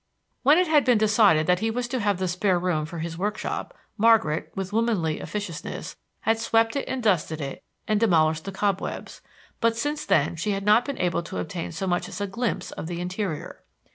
When it had been decided that he was to have the spare room for his workshop, Margaret, with womanly officiousness, had swept it and dusted it and demolished the cobwebs; but since then she had not been able to obtain so much as a glimpse of the interior.